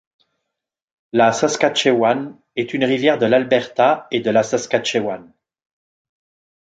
La Saskatchewan est une rivière de l'Alberta et de la Saskatchewan.